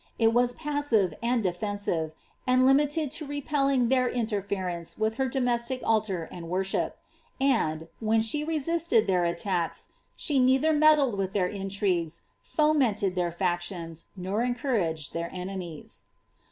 It was pasjisive and defensive, and limited to repelling their interference with her domestic aliar and worsiiip ; and, when she resisted their attacks, she neitiier meddled with their intrigues, fomented their Actions, nor encouraged their enemies.